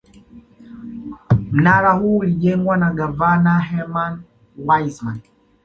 Mnara huu ulijengwa na gavana Herman Wissman